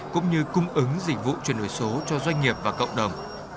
cũng như cung ứng dịch vụ chuyển đổi số cho doanh nghiệp và cộng đồng